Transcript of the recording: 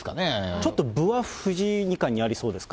ちょっと分は藤井二冠にありそうですか。